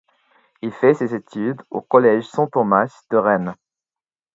Il fait ses études au collège Saint-Thomas de Rennes.